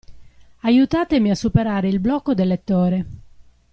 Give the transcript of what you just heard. Aiutatemi a superare il blocco del lettore.